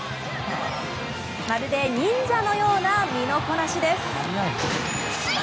まるで忍者のような身のこなしです。